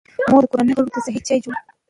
مور د کورنۍ غړو ته صحي چای جوړوي.